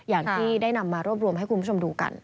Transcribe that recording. อย่างที่ได้นำมารวบรวมให้คุณผู้ชมดูกัน